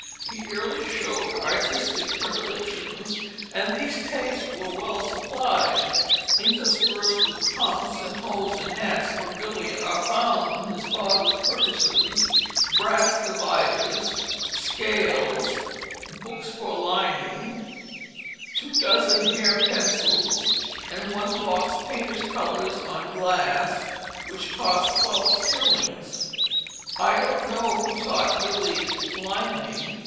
He early showed artistic predilections, and these tastes were well supplied. Interspersed with pumps and hose and hats for Billey are found in his father's purchases "brass deviders," scales, "books for limning," two dozen "hair pencils," and "1 box painter's collurs on glass," which cost twelve shillings. [Illustration: Gore Children, 1754] I don't know who taught Billey limning.